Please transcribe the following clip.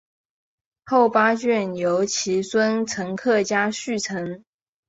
后八卷由其孙陈克家续成。